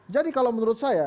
jadi kalau menurut saya